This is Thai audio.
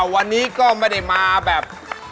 วันนี้ก็ไม่ได้มาแบบ